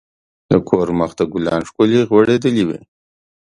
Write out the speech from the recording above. د کور مخ ته ګلان ښکلي غوړیدلي وو.